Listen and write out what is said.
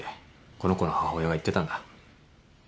この子の母親が言ってたんだ。